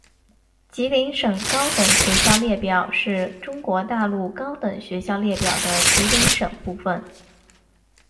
吉林省高等学校列表是中国大陆高等学校列表的吉林省部分。